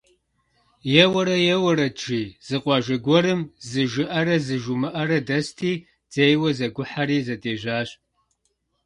Еуэрэ-еуэрэт, жи, зы къуажэ гуэрым зы Жыӏэрэ зы Жумыӏэрэ дэсти, дзейуэ зэгухьэри, зэдежьащ.